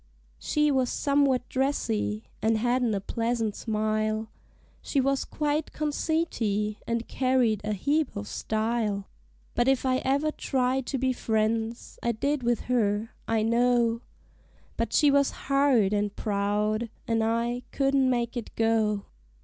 She was somewhat dressy, an' hadn't a pleasant smile She was quite conceity, and carried a heap o' style; But if I ever tried to be friends, I did with her, I know; But she was hard and proud, an' I couldn't make it go.